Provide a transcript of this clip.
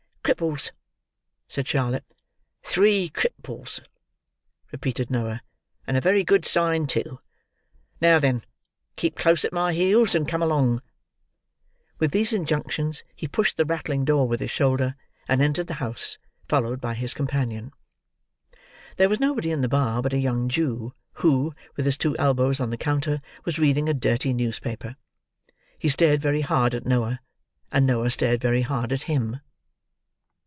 "Cripples," said Charlotte. "Three Cripples," repeated Noah, "and a very good sign too. Now, then! Keep close at my heels, and come along." With these injunctions, he pushed the rattling door with his shoulder, and entered the house, followed by his companion. There was nobody in the bar but a young Jew, who, with his two elbows on the counter, was reading a dirty newspaper. He stared very hard at Noah, and Noah stared very hard at him.